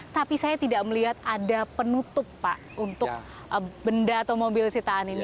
tapi saya tidak melihat ada penutup pak untuk benda atau mobil sitaan ini